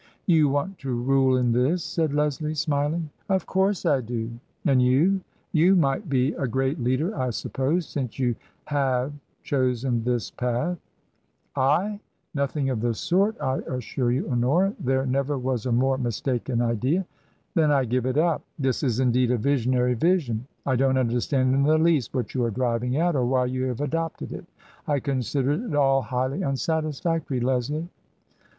" You want to rule in this ?" said Leslie, smiling. " Of course I do. And you ? You might be a great leader, I suppose, since you have chosen this path ?"" I ? Nothing of the sort, I assure you, Honora; there never was a more mistaken idea." " Then I give it up ! This is indeed a visionary vision. I don't understand in the least what you are driving at, or why you have adopted it. I consider it all highly un satisfactory, Leslie."